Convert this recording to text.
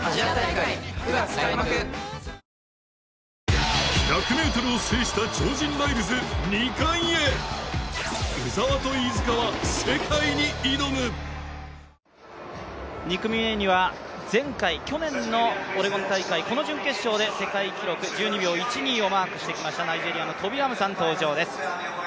着順で２着までが１２秒４台なので２組目には前回、去年のオレゴン大会、この準決勝で世界記録１２秒１２をマークしてきましたナイジェリアのトビ・アムサン登場です。